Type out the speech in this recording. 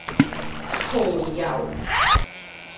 蠔油